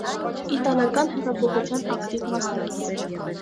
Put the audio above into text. Իտակալան հեղափոխության ակտիվ մասնակից։